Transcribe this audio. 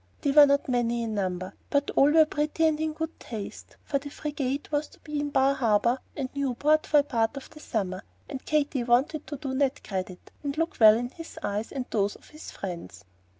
They were not many in number, but all were pretty and in good taste, for the frigate was to be in Bar Harbor and Newport for a part of the summer, and Katy wanted to do Ned credit, and look well in his eyes and those of his friends.